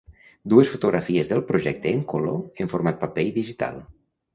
Dues fotografies del projecte en color, en format paper i digital.